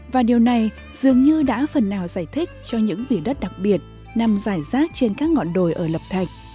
và điều này dường như đã phần nào giải thích cho những vỉa đất đặc biệt nằm dài rác trên các ngọn đồi ở lập thạch